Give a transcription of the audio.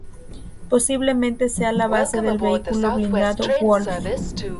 Posiblemente sea la base del vehículo blindado Wolf.